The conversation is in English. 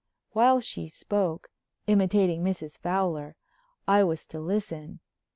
While she spoke—imitating Mrs. Fowler—I was to listen.